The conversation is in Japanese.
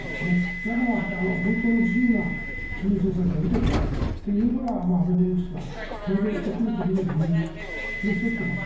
だから、本当の自由な金融政策が打てていないというのがアベノミクスが登場してくる時の理由の１つでもあった。